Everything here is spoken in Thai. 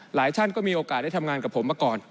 หลายท่านก็มีโอกาสได้ทำงานกับผมมาก่อน